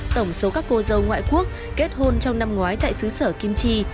tổng số các cô dâu ngoại quốc kết hôn trong năm ngoái tại xứ sở kim chi